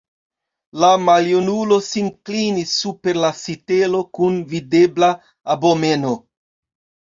La maljunulo sin klinis super la sitelo kun videbla abomeno.